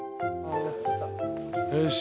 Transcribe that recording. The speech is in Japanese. よし。